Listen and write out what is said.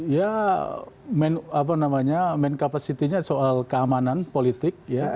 ya main capacity nya soal keamanan politik